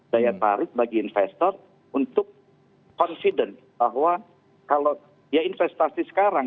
daya tarik bagi investor untuk confident bahwa kalau ya investasi sekarang